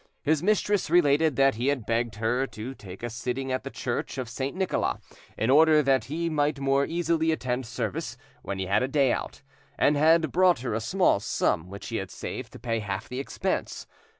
His mistress related that he had begged her to take a sitting at the church of St. Nicholas, in order that he might more easily attend service when he had a day out, and had brought her a small sum which he had saved, to pay half the expense.